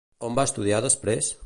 On va estudiar després?